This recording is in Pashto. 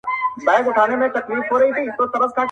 زما په ژوند کي د وختونو د بلا ياري ده~